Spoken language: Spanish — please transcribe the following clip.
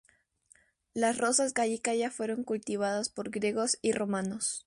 Las rosas gallica ya fueron cultivadas por griegos y romanos.